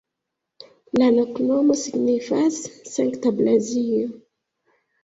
La loknomo signifas: Sankta Blazio.